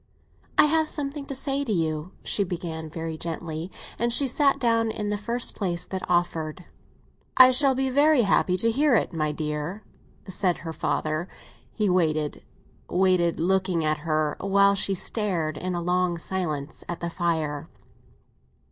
"I have something to say to you," she began very gently; and she sat down in the first place that offered. "I shall be very happy to hear it, my dear," said her father. He waited—waited, looking at her, while she stared, in a long silence, at the fire.